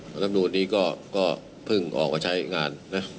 รัฐธรรมนูญนี้ก็เพิ่งออกมาใช้งาน